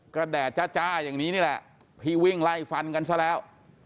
แดดจ้าอย่างนี้นี่แหละพี่วิ่งไล่ฟันกันซะแล้ว